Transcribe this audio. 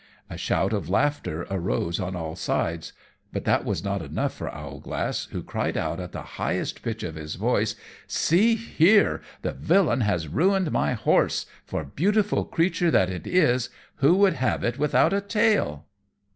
A shout of laughter arose on all sides; but that was not enough for Owlglass, who cried out, at the highest pitch of his voice, "See here! the villain has ruined my horse, for, beautiful creature that it is, who would have it without a tail?"